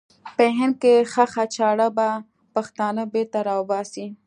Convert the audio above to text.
په هند کې ښخه چاړه به پښتانه بېرته را وباسي.